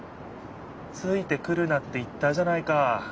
「ついてくるな」って言ったじゃないか。